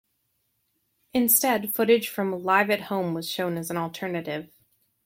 Instead, footage from "Live at Home" was shown as an alternative.